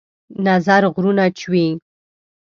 نظر غرونه چوي